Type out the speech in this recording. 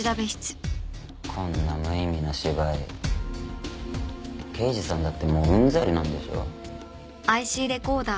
こんな無意味な芝居刑事さんだってもううんざりなんでしょ？